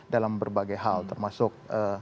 dalam berbagai hal termasuk